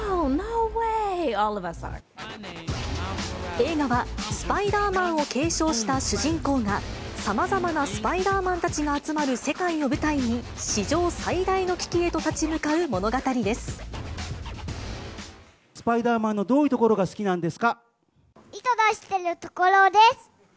映画は、スパイダーマンを継承した主人公が、さまざまなスパイダーマンたちが集まる世界を舞台に、史上最大のスパイダーマンのどういうと糸出しているところです。